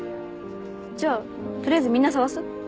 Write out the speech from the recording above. じゃあ取りあえずみんな捜す？